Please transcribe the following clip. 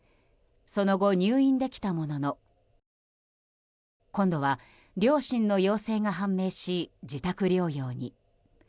その後、入院できたものの今度は両親の陽性が判明し自宅療養に。